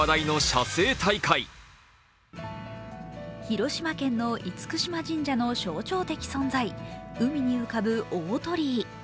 広島県の厳島神社の象徴的存在、海に浮かぶ大鳥居。